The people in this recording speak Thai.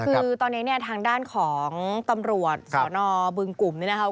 คือตอนนี้เนี่ยทางด้านของตำรวจสนบึงกลุ่มนี้นะครับ